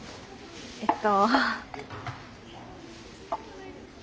えっと。